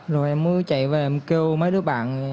rồi em mới chạy về em kêu mới đứa bạn